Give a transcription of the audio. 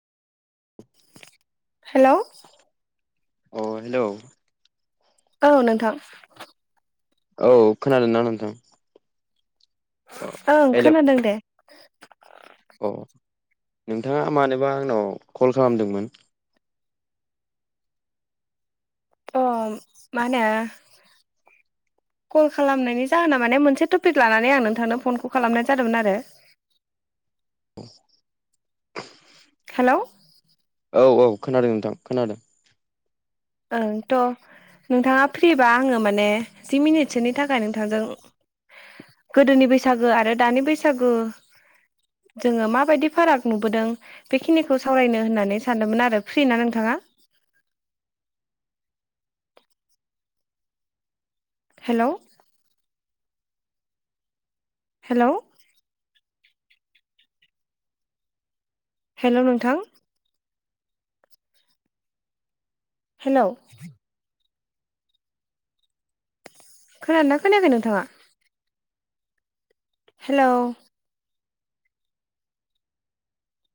हेल' अ हेल' औ नोंथां औ खोनादोंना नोंथां अ ओं हेलौ खोनादों दे अ अ नोंथाङा मानोबा आंनाव कल खालामदोंमोन अ माहोनो कल खालामनायनि जाहोना माने मोनसे टपिक लानानै आं नोंथांनो फनखौ खालामनाय जादोंमोन आरो [inaudible] हेलौ' औ औ खोनादों नोंथां खोनादों। आं थ' नोंथाङा फ्रिबा आङो माने जि मिनिटसोनि थाखाय नोंथांजों गोदोनि बैसागो आरो दानि बैसागो जोङो माबायदि फाराग नुबोदों। बेखिनिखौ सावरायनो होननानै सानदोंमोन आरो फ्रि ना नोंथाङा? हेलौ हेलौ हेल' नोंथां हेल' खोनादोंना खोनायाखै नोंथाङा हेलौ